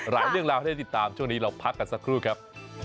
เรื่องราวให้ได้ติดตามช่วงนี้เราพักกันสักครู่ครับ